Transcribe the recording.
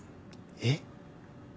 えっ？